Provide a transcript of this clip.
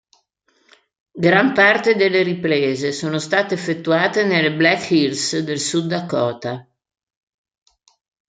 Gran parte delle riprese sono state effettuate nelle Black Hills del Sud Dakota.